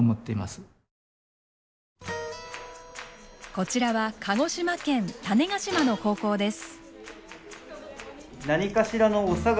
こちらは鹿児島県種子島の高校です。